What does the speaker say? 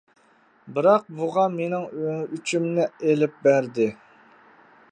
بىراق بۇقا مىنىڭ ئۆچۈمنى ئېلىپ بەردى.